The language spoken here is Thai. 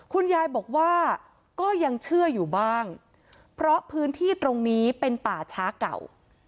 คุณยายบอกว่าก็ยังเชื่ออยู่บ้างเพราะพื้นที่ตรงนี้เป็นป่าช้าเก่า